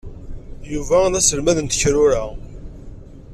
Yuba d aselmad n tekrura.